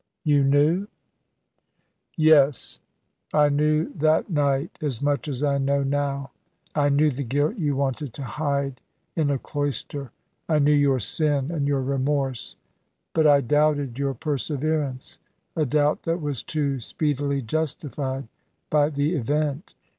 "You knew?" "Yes, I knew that night as much as I know now. I knew the guilt you wanted to hide in a cloister. I knew your sin and your remorse; but I doubted your perseverance; a doubt that was too speedily justified by the event."